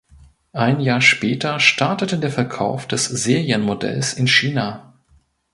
Ein Jahr später startete der Verkauf des Serienmodells in China.